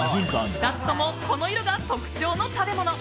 ２つともこの色が特徴の食べ物。